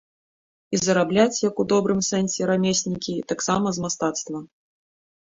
І зарабляць, як у добрым сэнсе рамеснікі, таксама з мастацтва.